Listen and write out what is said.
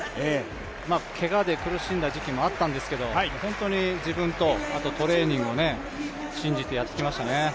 けがで苦しんだ時期もあったんですけど、自分とトレーニングを信じてやってきましたね。